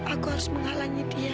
aku harus menghalangi dia